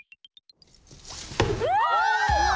うわ！